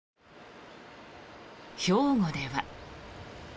兵庫では。